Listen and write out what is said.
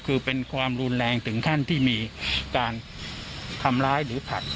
คือเป็นความรุนแรงถึงขั้นที่มีการทำร้ายหรือผลัก